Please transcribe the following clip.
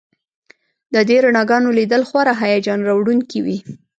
د دې رڼاګانو لیدل خورا هیجان راوړونکي وي